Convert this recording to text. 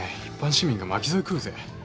一般市民が巻き添え食うぜ。